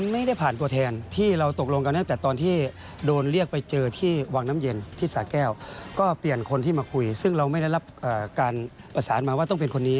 ไม่ได้ผ่านตัวแทนที่เราตกลงกันตั้งแต่ตอนที่โดนเรียกไปเจอที่วังน้ำเย็นที่สาแก้วก็เปลี่ยนคนที่มาคุยซึ่งเราไม่ได้รับการประสานมาว่าต้องเป็นคนนี้